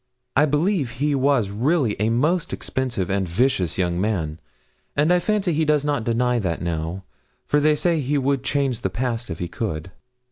I believe he was really a most expensive and vicious young man; and I fancy he does not deny that now, for they say he would change the past if he could.